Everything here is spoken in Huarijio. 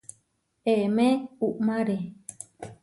Emé uʼmáre.